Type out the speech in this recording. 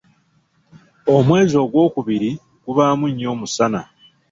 Omwezi ogwokubiri gubaamu nnyo omusana.